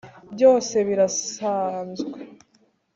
byose birasanzwe.